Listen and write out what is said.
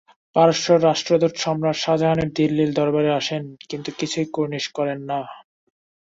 পারস্যের রাষ্ট্রদূত সম্রাট শাজাহানের দিল্লির দরবারে আসেন কিন্তু কিছুতেই কুর্নিশ করেন না।